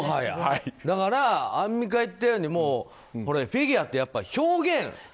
だからアンミカが言ったようにフィギュアって表現。